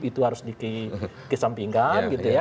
itu harus dikesampingkan gitu ya